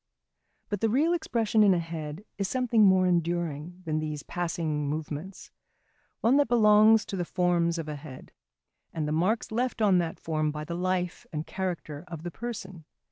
But the real expression in a head is something more enduring than these passing movements: one that belongs to the forms of a head, and the marks left on that form by the life and character of the person.